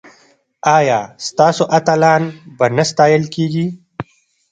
ایا ستاسو اتلان به نه ستایل کیږي؟